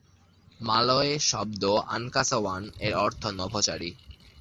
মালয় শব্দ আংকাসাওয়ান-এর অর্থ নভোচারী।